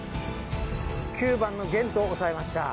９番のゲント押さえました！